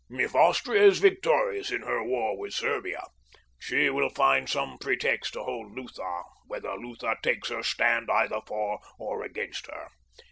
"If Austria is victorious in her war with Serbia, she will find some pretext to hold Lutha whether Lutha takes her stand either for or against her.